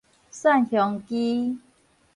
蒜香枝